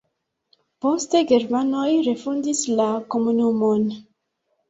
Poste germanoj refondis la komunumon.